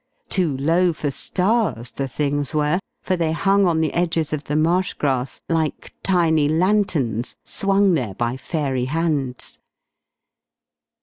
Too low for stars the things were, for they hung on the edges of the marsh grass like tiny lanterns swung there by fairy hands.